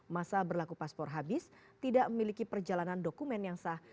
masa berlaku paspor habis tidak memiliki perjalanan dokumen yang sah